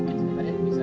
saya ingin mengingatkan